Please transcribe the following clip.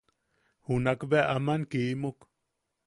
Junak bea aman kimuk.